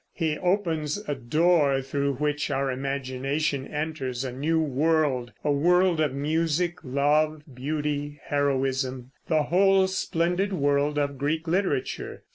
He opens a door through which our imagination enters a new world, a world of music, love, beauty, heroism, the whole splendid world of Greek literature.